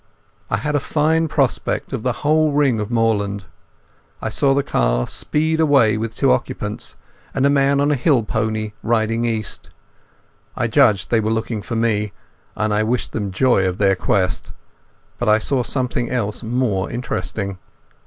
I had a fine prospect of the whole ring of moorland. I saw the car speed away with two occupants, and a man on a hill pony riding east. I judged they were looking for me, and I wished them joy of their quest. But I saw something else more interesting.